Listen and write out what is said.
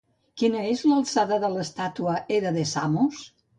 Quina és l'alçada de l'estàtua Hera de Samos?